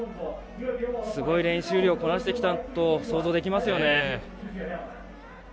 すごい練習量こなしてきたと想像できますよね。